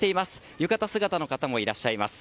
浴衣姿の方もいらっしゃいます。